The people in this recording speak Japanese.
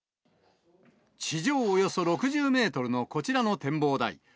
地上およそ６０メートルのこちらの展望台。